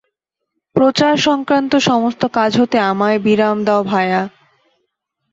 প্রচার-সংক্রান্ত সমস্ত কাজ হতে আমায় বিরাম দাও, ভায়া।